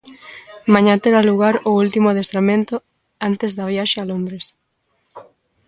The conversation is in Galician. Mañá terá lugar o último adestramento antes da viaxe a Londres.